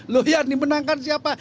lo ya ini menangkan siapa